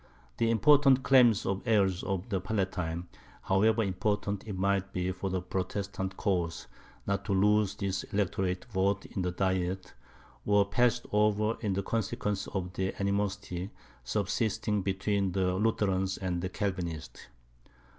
The important claims of the heirs of the Palatine, however important it might be for the Protestant cause not to lose this electorate vote in the diet, were passed over in consequence of the animosity subsisting between the Lutherans and the Calvinists.